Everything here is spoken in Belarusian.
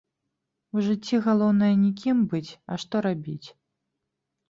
У жыцці галоўнае не кім быць, а што рабіць.